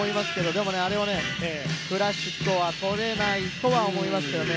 でもあれは、クラッシュとは取れないと思いますよね。